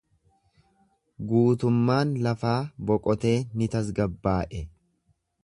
Guutummaan lafaa boqotee ni tasgabbaa’e.